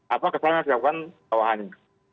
apa kesalahan yang dilakukan bawahannya